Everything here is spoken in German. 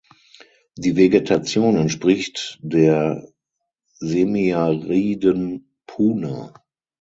Die Vegetation entspricht der semiariden Puna.